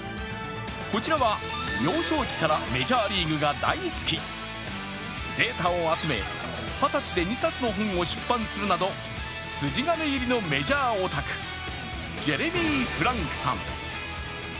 こちらは幼少期からメジャーリーグが大好き、データを集め、二十歳で２冊の本を出版するなど筋金入りのメジャーオタク、ジェレミー・フランクさん。